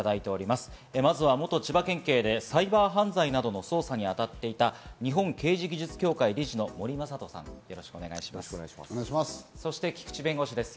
まずは元千葉県警でサイバー犯罪などの捜査にあたっていた日本刑事技術協会・理事の森雅人さん、お願いします。